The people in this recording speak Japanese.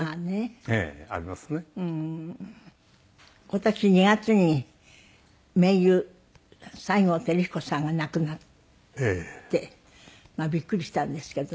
今年２月に盟友西郷輝彦さんが亡くなってまあビックリしたんですけど。